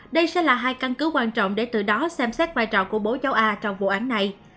đây sẽ là hai căn cứ quan trọng để từ đó xem xét vai trò của bố cháu a trong vụ án này